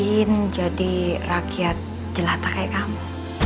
ingin jadi rakyat jelata kayak kamu